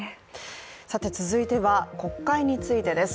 続いては国会についてです。